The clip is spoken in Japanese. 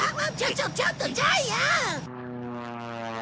ちょちょっとジャイアン！